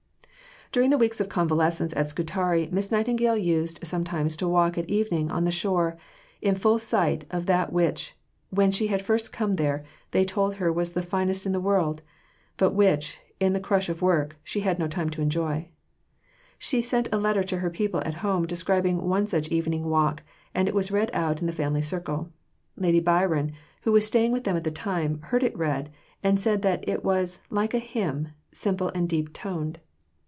During the weeks of convalescence at Scutari, Miss Nightingale used sometimes to walk at evening on the shore, in full sight of that view which, when she had first come there, they told her was the finest in the world, but which, in the crush of work, she had no time to enjoy. She sent a letter to her people at home describing one such evening walk, and it was read out in the family circle. Lady Byron, who was staying with them at the time, heard it read, and said that it was "like a hymn simple and deep toned."